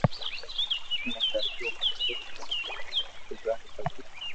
مھل ارگو ھوئي تو او اوگاڙي پگي